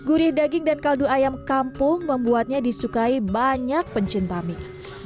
gurih daging dan kaldu ayam kampung membuatnya disukai banyak pencinta mie